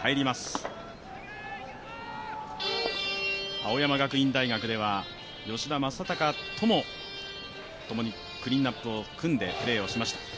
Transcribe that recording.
青山学院大学では吉田正尚とも共にクリーンナップを組んでプレーしました。